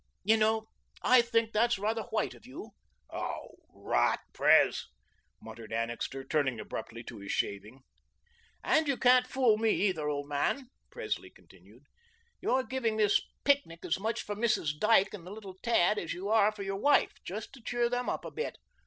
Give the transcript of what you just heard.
You know, I think that's rather white of you." "Oh, rot, Pres," muttered Annixter, turning abruptly to his shaving. "And you can't fool me, either, old man," Presley continued. "You're giving this picnic as much for Mrs. Dyke and the little tad as you are for your wife, just to cheer them up a bit."